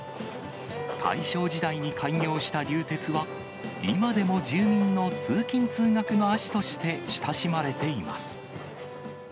大正時代に開業した流鉄は、今でも住民の通勤・通学の足として親しまれています。